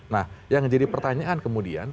nah yang jadi pertanyaan kemudian